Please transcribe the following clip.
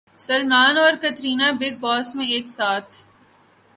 Salman Katrina Bigg Boss میں ایک ساتھ